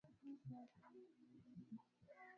Sauti yako ni nzuri